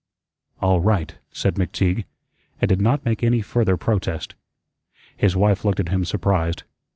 "All right," said McTeague, and did not make any further protest. His wife looked at him surprised.